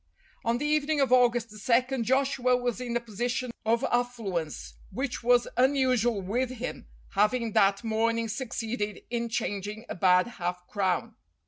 On the evening of August 2 Joshua was in a position of affluence which was unusual with him, having that morning succeeded in changing a bad half crown.